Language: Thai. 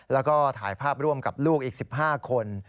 แล้วก็ถ่ายภาพร่วมกับลูกอีก๑๕คน